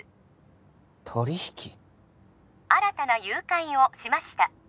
新たな誘拐をしました